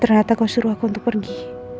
temanin aku keserapan ya